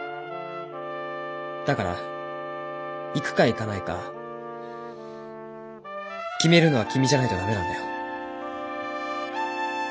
だから行くか行かないか決めるのは君じゃないと駄目なんだよ。